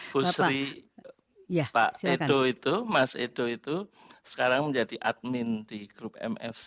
bu sri pak edo itu mas edo itu sekarang menjadi admin di grup mfc